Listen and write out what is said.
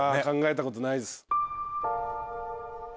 考えたことないです。